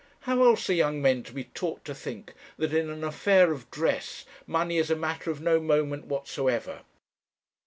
How else are young men to be taught to think that in an affair of dress money is a matter of no moment whatsoever?'